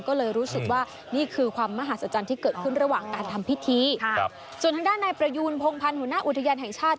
ก็เลยรู้สึกว่านี่คือความมหาศจรรย์ที่เกิดขึ้นระหว่างการทำพิธีครับส่วนทางด้านนายประยูนพงพันธ์หัวหน้าอุทยานแห่งชาติ